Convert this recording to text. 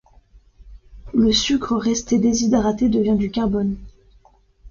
Le sucre resté déshydraté devient du carbone.